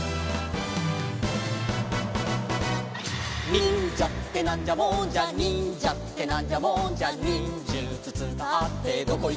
「にんじゃってなんじゃもんじゃ」「にんじゃってなんじゃもんじゃ」「にんじゅつつかってどこいくにんじゃ」